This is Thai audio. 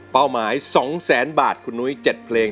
เป้าหมาย๒๐๐๐๐๐บาทคุณหนุ๊ย๗เพลง